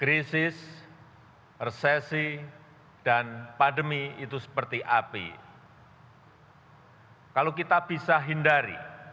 yang saya hormati untuk mereka dirumah hidup dan ke voitur